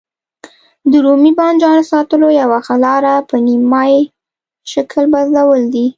د رومي بانجانو ساتلو یوه ښه لاره په نیم مایع شکل بدلول دي.